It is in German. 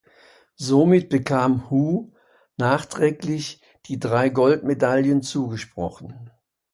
Somit bekam Hou nachträglich die drei Goldmedaillen zugesprochen.